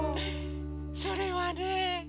それはね